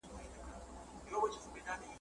عاقبت به یې مغزی پکښي ماتیږي ,